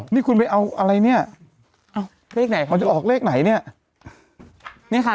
นี่คุณไปเอาอะไรเนี่ยเอาเลขไหนคะมันจะออกเลขไหนเนี่ยค่ะ